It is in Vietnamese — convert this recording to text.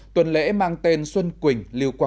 tuần lễ mang tên xuân quỳnh